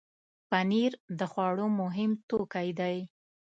پنېر د خوړو مهم توکی دی.